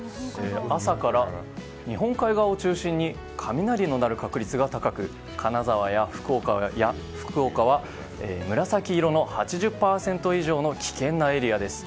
朝から日本海側を中心に雷が鳴る確率が高く金沢や福岡は紫色の８０％以上の危険なエリアです。